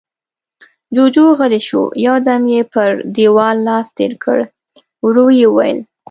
جُوجُو غلی شو، يو دم يې پر دېوال لاس تېر کړ، ورو يې وويل: